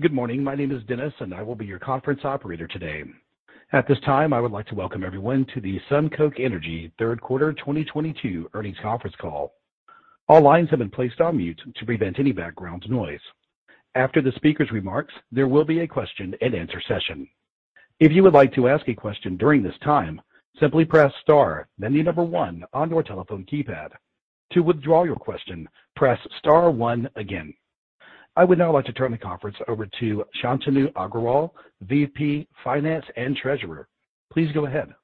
Good morning. My name is Dennis, and I will be your conference operator today. At this time, I would like to welcome everyone to the SunCoke Energy third quarter 2022 earnings conference call. All lines have been placed on mute to prevent any background noise. After the speaker's remarks, there will be a question-and-answer session. If you would like to ask a question during this time, simply press Star, then the number one on your telephone keypad. To withdraw your question, press Star one again. I would now like to turn the conference over to Shantanu Agrawal, VP, Finance and Treasurer. Please go ahead.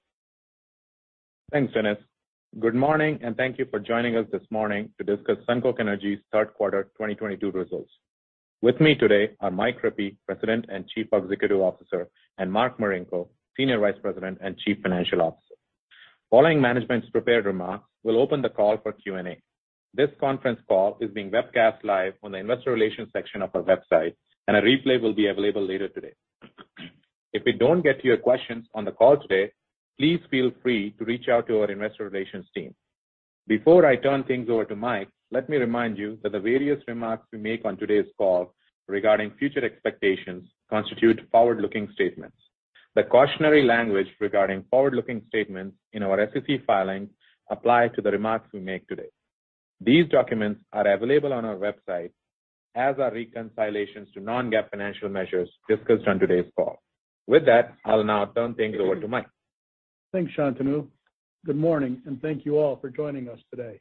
Thanks, Dennis. Good morning, and thank you for joining us this morning to discuss SunCoke Energy's third quarter 2022 results. With me today are Mike Rippey, President and Chief Executive Officer, and Mark Marinko, Senior Vice President and Chief Financial Officer. Following management's prepared remarks, we'll open the call for Q&A. This conference call is being webcast live on the investor relations section of our website, and a replay will be available later today. If we don't get to your questions on the call today, please feel free to reach out to our investor relations team. Before I turn things over to Mike, let me remind you that the various remarks we make on today's call regarding future expectations constitute forward-looking statements. The cautionary language regarding forward-looking statements in our SEC filings apply to the remarks we make today. These documents are available on our website as are reconciliations to non-GAAP financial measures discussed on today's call. With that, I'll now turn things over to Mike. Thanks, Shantanu. Good morning, and thank you all for joining us today.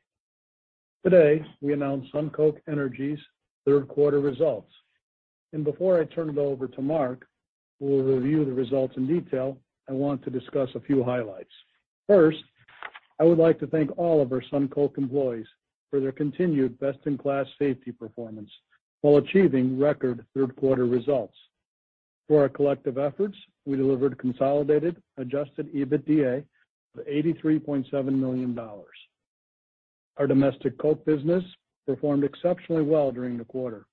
Today, we announce SunCoke Energy's third quarter results. Before I turn it over to Mark, who will review the results in detail, I want to discuss a few highlights. First, I would like to thank all of our SunCoke employees for their continued best-in-class safety performance while achieving record third quarter results. Through our collective efforts, we delivered consolidated adjusted EBITDA of $83.7 million. Our domestic coke business performed exceptionally well during the quarter,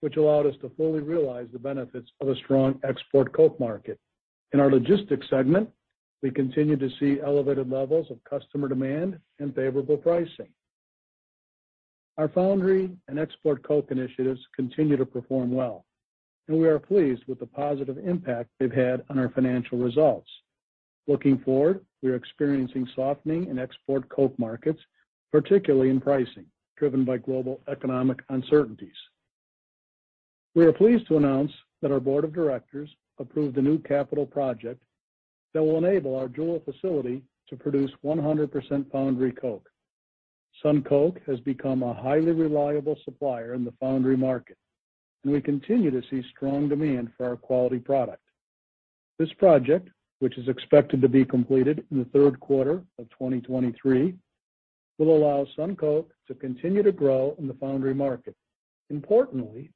which allowed us to fully realize the benefits of a strong export coke market. In our logistics segment, we continue to see elevated levels of customer demand and favorable pricing. Our foundry and export coke initiatives continue to perform well, and we are pleased with the positive impact they've had on our financial results. Looking forward, we are experiencing softening in export coke markets, particularly in pricing, driven by global economic uncertainties. We are pleased to announce that our board of directors approved a new capital project that will enable our Jewel facility to produce 100% foundry coke. SunCoke has become a highly reliable supplier in the foundry market, and we continue to see strong demand for our quality product. This project, which is expected to be completed in the third quarter of 2023, will allow SunCoke to continue to grow in the foundry market. Importantly,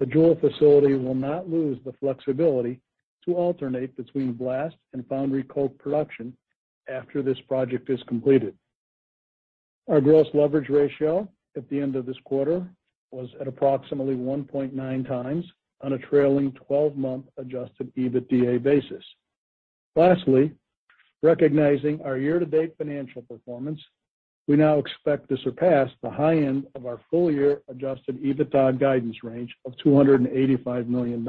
the Jewel facility will not lose the flexibility to alternate between blast and foundry coke production after this project is completed. Our gross leverage ratio at the end of this quarter was at approximately 1.9x on a trailing 12-month adjusted EBITDA basis. Lastly, recognizing our year-to-date financial performance, we now expect to surpass the high end of our full-year adjusted EBITDA guidance range of $285 million.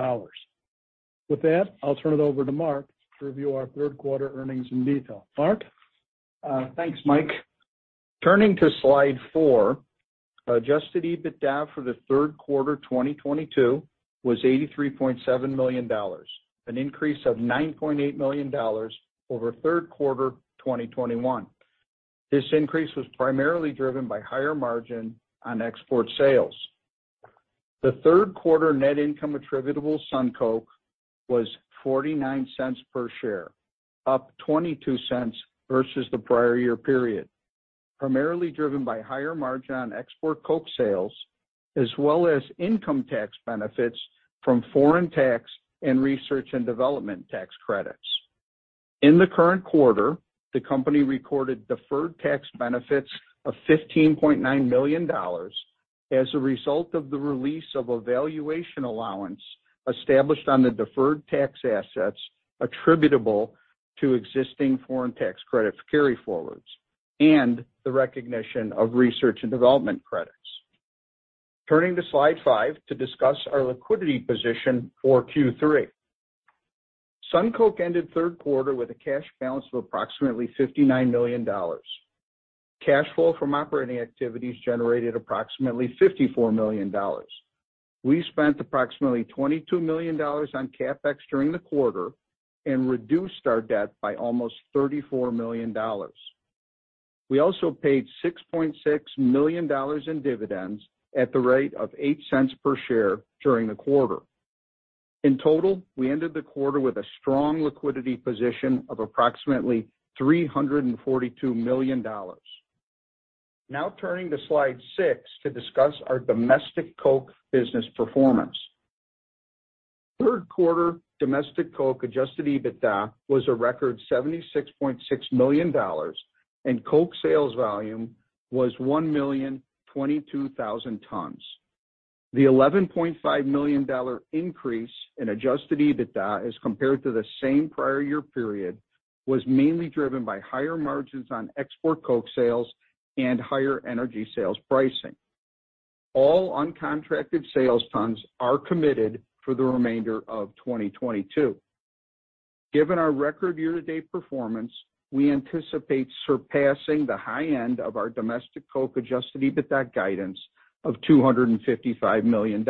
With that, I'll turn it over to Mark to review our third quarter earnings in detail. Mark? Thanks, Mike. Turning to slide four, adjusted EBITDA for the third quarter 2022 was $83.7 million, an increase of $9.8 million over third quarter 2021. This increase was primarily driven by higher margin on export sales. The third quarter net income attributable to SunCoke was $0.49 per share, up $0.22 versus the prior year period, primarily driven by higher margin on export coke sales as well as income tax benefits from foreign tax and research and development tax credits. In the current quarter, the company recorded deferred tax benefits of $15.9 million as a result of the release of a valuation allowance established on the deferred tax assets attributable to existing foreign tax credit carryforwards and the recognition of research and development credits. Turning to slide five to discuss our liquidity position for Q3. SunCoke ended third quarter with a cash balance of approximately $59 million. Cash flow from operating activities generated approximately $54 million. We spent approximately $22 million on CapEx during the quarter and reduced our debt by almost $34 million. We also paid $6.6 million in dividends at the rate of $0.08 per share during the quarter. In total, we ended the quarter with a strong liquidity position of approximately $342 million. Now turning to slide six to discuss our domestic coke business performance. Third quarter domestic coke adjusted EBITDA was a record $76.6 million, and coke sales volume was $1,022,000 tons. The $11.5 million increase in adjusted EBITDA as compared to the same prior year period was mainly driven by higher margins on export coke sales and higher energy sales pricing. All uncontracted sales tons are committed for the remainder of 2022. Given our record year-to-date performance, we anticipate surpassing the high end of our domestic coke adjusted EBITDA guidance of $255 million.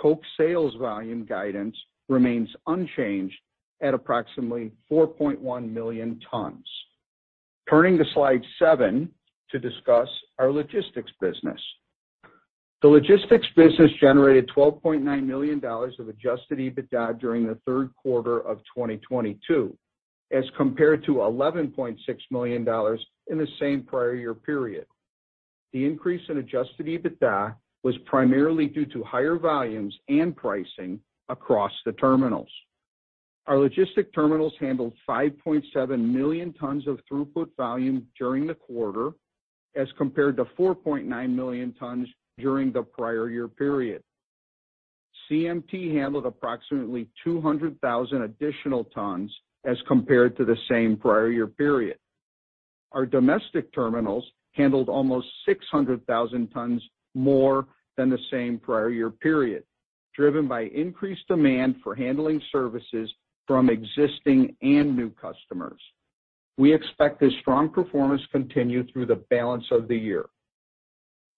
Coke sales volume guidance remains unchanged at approximately $4.1 million tons. Turning to slide seven to discuss our logistics business. The logistics business generated $12.9 million of adjusted EBITDA during the third quarter of 2022, as compared to $11.6 million in the same prior year period. The increase in adjusted EBITDA was primarily due to higher volumes and pricing across the terminals. Our logistics terminals handled 5.7 million tons of throughput volume during the quarter, as compared to $4.9 million tons during the prior year period. CMT handled approximately 200,000 additional tons as compared to the same prior year period. Our domestic terminals handled almost 600,000 tons more than the same prior year period, driven by increased demand for handling services from existing and new customers. We expect this strong performance to continue through the balance of the year.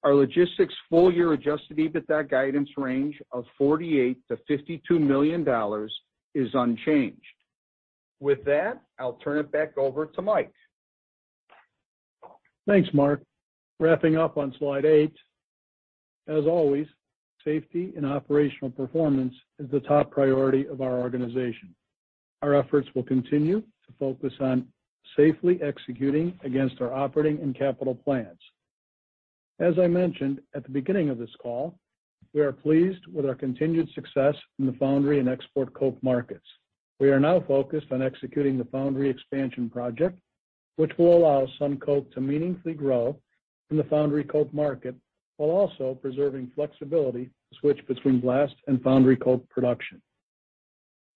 Our logistics full-year adjusted EBITDA guidance range of $48 million-$52 million is unchanged. With that, I'll turn it back over to Mike. Thanks, Mark. Wrapping up on slide eight. As always, safety and operational performance is the top priority of our organization. Our efforts will continue to focus on safely executing against our operating and capital plans. As I mentioned at the beginning of this call, we are pleased with our continued success in the foundry and export coke markets. We are now focused on executing the foundry expansion project, which will allow SunCoke to meaningfully grow in the foundry coke market while also preserving flexibility to switch between blast and foundry coke production.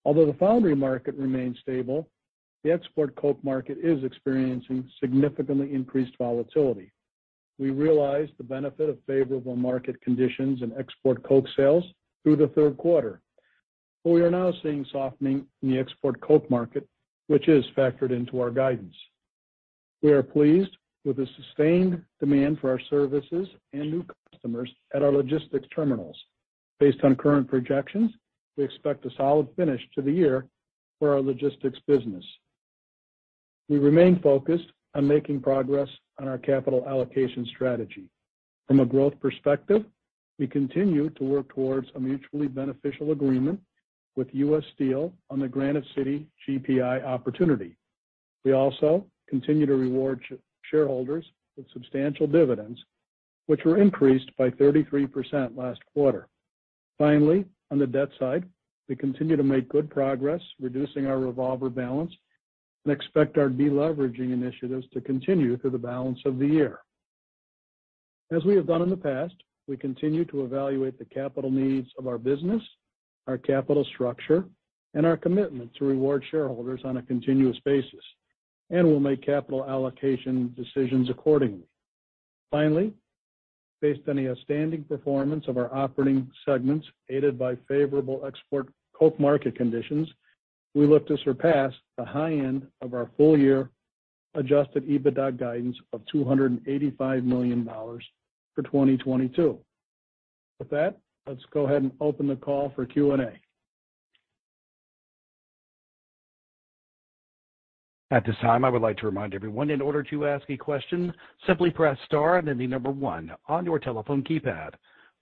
Although the foundry market remains stable, the export coke market is experiencing significantly increased volatility. We realized the benefit of favorable market conditions in export coke sales through the third quarter. We are now seeing softening in the export coke market, which is factored into our guidance. We are pleased with the sustained demand for our services and new customers at our logistics terminals. Based on current projections, we expect a solid finish to the year for our logistics business. We remain focused on making progress on our capital allocation strategy. From a growth perspective, we continue to work towards a mutually beneficial agreement with U.S. Steel on the Granite City GPI opportunity. We also continue to reward shareholders with substantial dividends, which were increased by 33% last quarter. Finally, on the debt side, we continue to make good progress reducing our revolver balance and expect our deleveraging initiatives to continue through the balance of the year. As we have done in the past, we continue to evaluate the capital needs of our business, our capital structure, and our commitment to reward shareholders on a continuous basis, and we'll make capital allocation decisions accordingly. Finally, based on the outstanding performance of our operating segments, aided by favorable export coke market conditions, we look to surpass the high end of our full-year adjusted EBITDA guidance of $285 million for 2022. With that, let's go ahead and open the call for Q&A. At this time, I would like to remind everyone, in order to ask a question, simply press star and then the number one on your telephone keypad.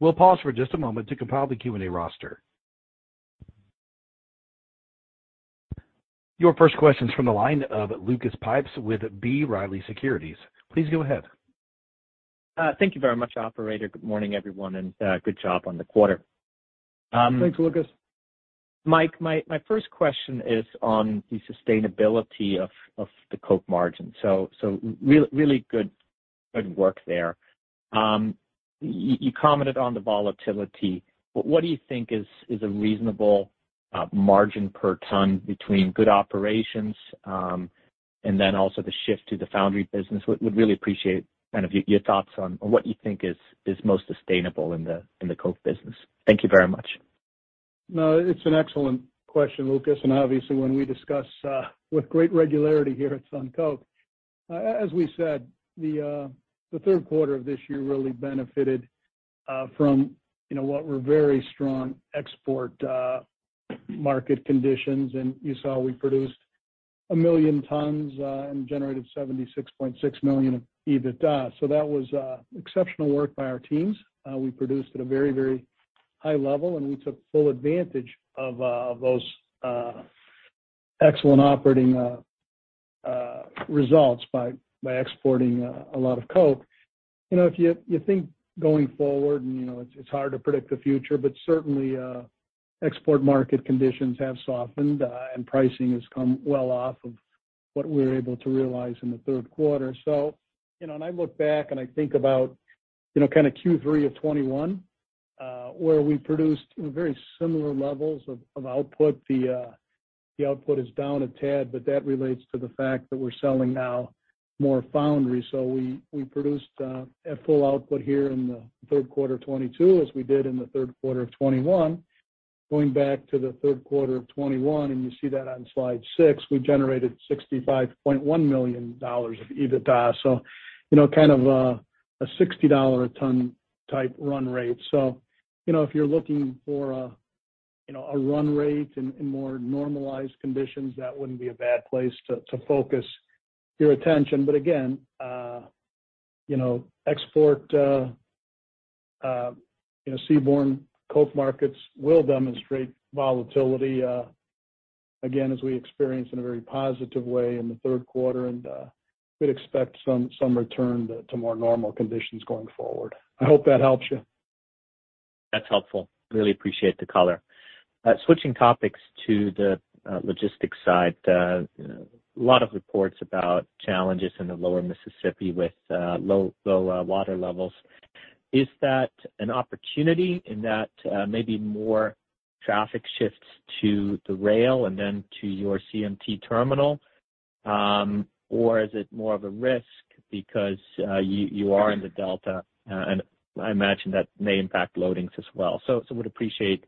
We'll pause for just a moment to compile the Q&A roster. Your first question is from the line of Lucas Pipes with B. Riley Securities. Please go ahead. Thank you very much, operator. Good morning, everyone, and good job on the quarter. Thanks, Lucas. Mike, my first question is on the sustainability of the coke margin. Really good work there. You commented on the volatility, but what do you think is a reasonable margin per ton between good operations and then also the shift to the foundry business? Would really appreciate kind of your thoughts on what you think is most sustainable in the coke business. Thank you very much. No, it's an excellent question, Lucas, and obviously one we discuss with great regularity here at SunCoke. As we said, the third quarter of this year really benefited from, you know, what were very strong export market conditions. You saw we produced 1,000,000 tons and generated $76.6 million of EBITDA. That was exceptional work by our teams. We produced at a very, very high level, and we took full advantage of those excellent operating results by exporting a lot of coke. You know, if you think going forward and, you know, it's hard to predict the future, but certainly export market conditions have softened and pricing has come well off of what we were able to realize in the third quarter. You know, when I look back and I think about, you know, kind of Q3 of 2021, where we produced very similar levels of output. The output is down a tad, but that relates to the fact that we're selling now more foundry. We produced at full output here in the third quarter 2022, as we did in the third quarter of 2021. Going back to the third quarter of 2021, and you see that on slide six, we generated $65.1 million of EBITDA. You know, kind of a $60 a ton type run rate. You know, if you're looking for a, you know, a run rate in more normalized conditions, that wouldn't be a bad place to focus your attention. Again, you know, export, you know, seaborne coke markets will demonstrate volatility, again, as we experienced in a very positive way in the third quarter. We'd expect some return to more normal conditions going forward. I hope that helps you. That's helpful. Really appreciate the color. Switching topics to the logistics side. You know, a lot of reports about challenges in the lower Mississippi with low water levels. Is that an opportunity in that maybe more traffic shifts to the rail and then to your CMT terminal? Or is it more of a risk because you are in the delta and I imagine that may impact loadings as well? So would appreciate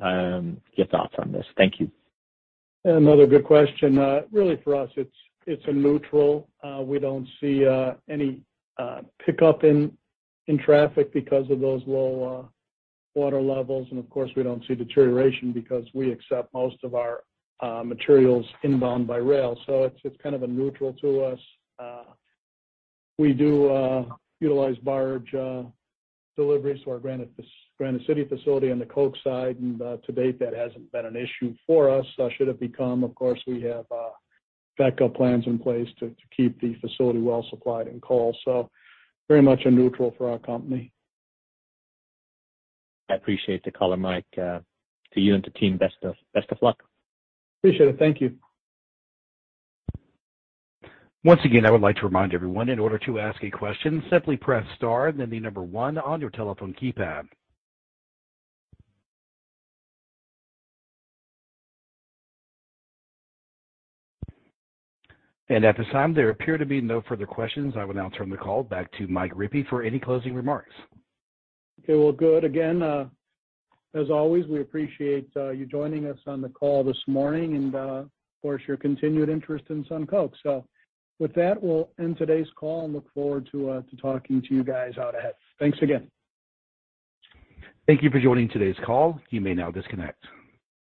your thoughts on this. Thank you. Another good question. Really for us, it's a neutral. We don't see any pickup in traffic because of those low water levels. Of course, we don't see deterioration because we accept most of our materials inbound by rail. It's kind of a neutral to us. We do utilize barge deliveries to our Granite City facility on the coke side. To date, that hasn't been an issue for us. Should it become, of course, we have backup plans in place to keep the facility well supplied with coal. Very much a neutral for our company. I appreciate the color, Mike. To you and the team, best of luck. Appreciate it. Thank you. Once again, I would like to remind everyone, in order to ask a question, simply press star and then the number one on your telephone keypad. At this time, there appear to be no further questions. I will now turn the call back to Mike Rippey for any closing remarks. Okay. Well, good. Again, as always, we appreciate you joining us on the call this morning and, of course, your continued interest in SunCoke. With that, we'll end today's call and look forward to talking to you guys out ahead. Thanks again. Thank you for joining today's call. You may now disconnect.